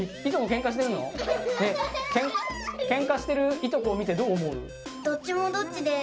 ケンカしてるいとこを見てどう思う？